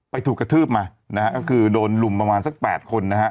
ถูกกระทืบมานะฮะก็คือโดนลุมประมาณสักแปดคนนะฮะ